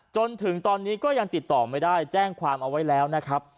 จนถึงตอนนี้ก็ยังติดต่อไม่ได้แจ้งความเอาไว้แล้วนะครับ